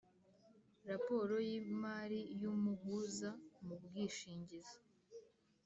Raporo y imari y umuhuza mu bwishingizi